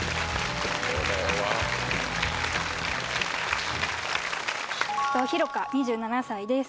これはひろか２７歳です